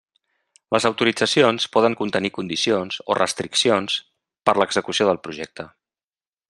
Les autoritzacions poden contenir condicions o restriccions per a l'execució del projecte.